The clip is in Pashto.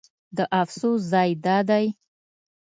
د افسوس ځای دا دی.